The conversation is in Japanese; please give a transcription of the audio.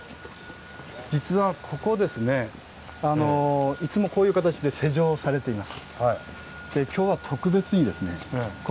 実はここいつもこういう形で施錠されています。